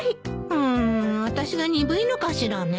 うん私が鈍いのかしらね。